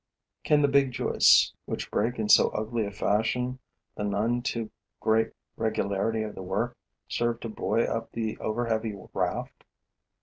Can the big joists, which break in so ugly a fashion the none too great regularity of the work, serve to buoy up the over heavy raft?